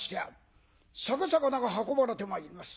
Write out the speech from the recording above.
酒肴が運ばれてまいります。